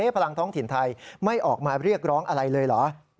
พลังท้องถิ่นไทยไม่ออกมาเรียกร้องอะไรเลยเหรอ